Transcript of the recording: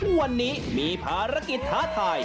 วันนี้มีภารกิจท้าทาย